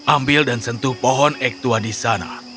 ambil dan sentuh pohon ektua di sana